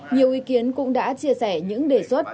nhiều ý kiến cũng đã chia sẻ những đề xuất